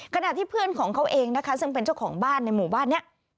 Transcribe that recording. ขณะที่เพื่อนของเขาเองนะคะซึ่งเป็นเจ้าของบ้านในหมู่บ้านนี้